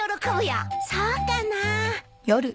そうかなあ。